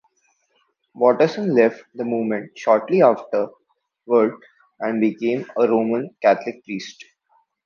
Watterson left the movement shortly afterward and became a Roman Catholic priest.